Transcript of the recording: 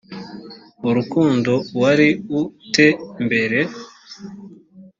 urukundo wari u te mbere